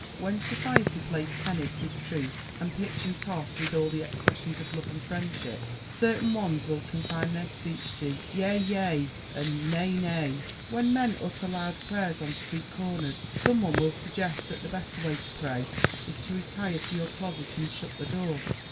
When society plays tennis with truth, and pitch and toss with all the expressions of love and friendship, certain ones will confine their speech to yea, yea, and nay, nay. When men utter loud prayers on street corners, some one will suggest that the better way to pray is to retire to your closet and shut the door.